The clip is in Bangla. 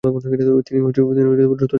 তিনি দ্রুত জনপ্রিয় হন।